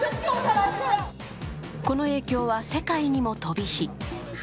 この影響は世界にも飛び火。